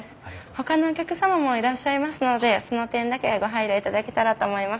ほかのお客様もいらっしゃいますのでその点だけご配慮いただけたらと思います。